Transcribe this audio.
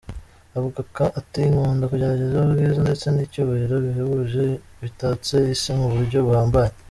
Avuga ati "nkunda kugerageza ubwiza ndetse n'icyubahiro bihebuje bitatse Isi mu buryo buhambaye.